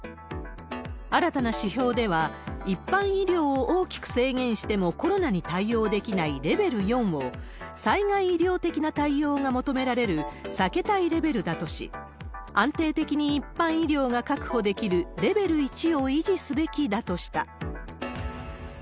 新たな指標では、一般医療を大きく制限してもコロナに対応できないレベル４を災害医療的な対応が求められる避けたいレベルだとし、安定的に一般医療を確保できるレベル１を維持すべきだとした。